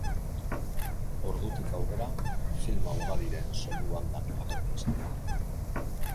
Ordutik aurrera, filma ugariren soinu bandan agertu izan da.